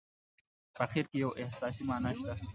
په اخر کې یوه احساسي معنا شته.